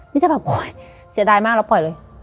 นี่จะแบบโอ๊ยเสียดายมากแล้วปล่อยเลย